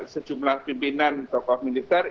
sejumlah pimpinan tokoh militer